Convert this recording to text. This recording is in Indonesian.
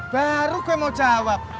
baru gue mau jawab